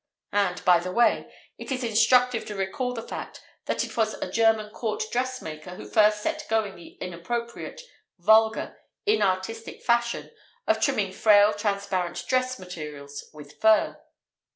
(and, by the way, it is instructive to recall the fact that it was a German Court dressmaker who first set going the inappropriate, vulgar, inartistic fashion of trimming frail transparent dress materials with fur).